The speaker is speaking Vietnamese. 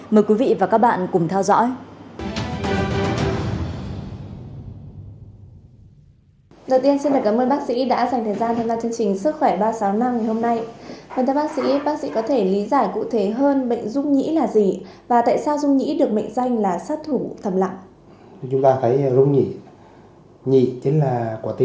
mời quý vị và các bạn cùng theo dõi